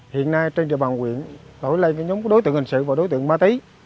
hiện nay trên trường bằng huyện đổi lên nhóm đối tượng hình sự và đối tượng ma tí